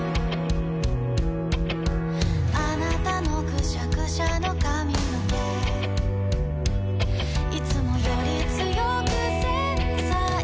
「あなたのくしゃくしゃの髪の毛」「いつもより強く繊細な」